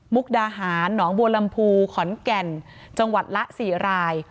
ดาหารหนองบัวลำพูขอนแก่นจังหวัดละ๔ราย